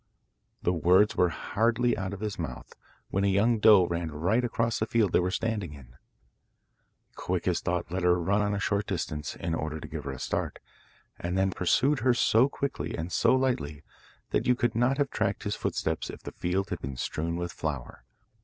The words were hardly out of his mouth when a young doe ran right across the field they were standing in. Quick as Thought let her run on a short distance, in order to give her a start, and then pursued her so quickly and so lightly that you could not have tracked his footsteps if the field had been strewn with flour.